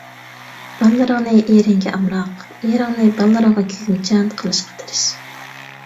بالىلىرىڭنى ئېرىڭگە ئامراق، ئېرىڭنى بالىلىرىڭغا كۆيۈمچان قىلىشقا تىرىش.